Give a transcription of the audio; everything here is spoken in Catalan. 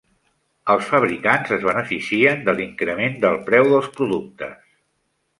Els fabricants es beneficien de l'increment del preu dels productes.